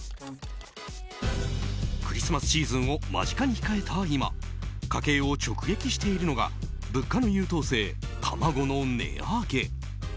クリスマスシーズンを間近に控えた今家計を直撃しているのが物価の優等生、卵の値上げ。